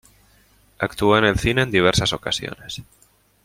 Actuó en el cine en diversas ocasiones.